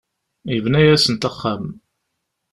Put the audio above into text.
Yebna-asent axxam.